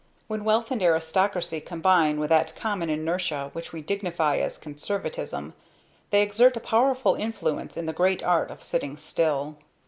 When wealth and aristocracy combine with that common inertia which we dignify as "conservatism" they exert a powerful influence in the great art of sitting still.